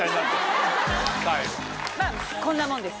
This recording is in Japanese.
まぁこんなもんです。